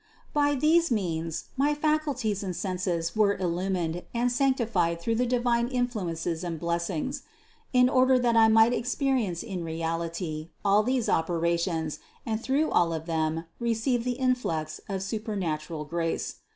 THE CONCEPTION 509 658. By all these means my faculties and senses were illumined and sanctified through the divine influences and blessings, in* order that I might experience in reality all these operations and through all of them receive the in flux of supernatural grace.